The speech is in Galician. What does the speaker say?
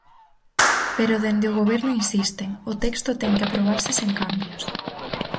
Pero dende o Goberno insisten, o texto ten que aprobarse sen cambios.